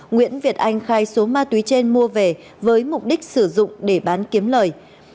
nguyễn việt anh khai số ma túy trên mua về với mục đích sử dụng để bán kiếm lời